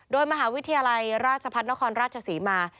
โดยมหาวิทยาลัยราชพัฒนครราชศรีมา